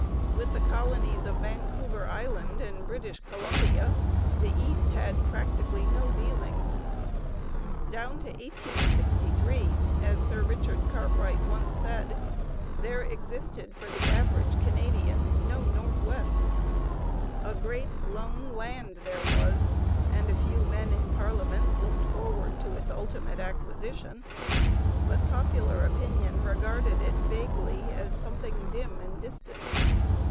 With the colonies of Vancouver Island and British Columbia the East had practically no dealings. Down to 1863, as Sir Richard Cartwright once said, there existed for the average Canadian no North West. A great lone land there was, and a few men in parliament looked forward to its ultimate acquisition, but popular opinion regarded it vaguely as something dim and distant.